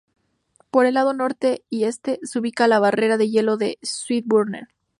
Por el lado norte y este, se ubica la barrera de hielo de Swinburne.